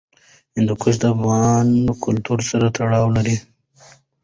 هندوکش د افغان کلتور سره تړاو لري.